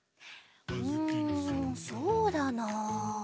うんそうだな。